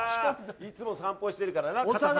いつも散歩してるからね。